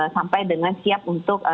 sampai dengan siap untuk